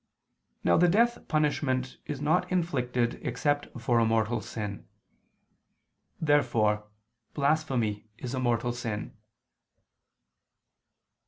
Now the death punishment is not inflicted except for a mortal sin. Therefore blasphemy is a mortal sin.